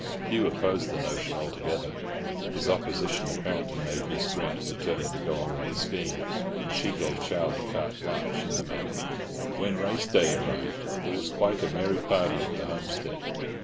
Hugh opposed the notion altogether. His opposition apparently made Miss Grant determined to go on with the scheme, and she gave Charlie carte blanche in the matter. When race day arrived, there was quite a merry party at the homestead.